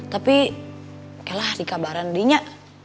tapi eh lah dikabaran di nya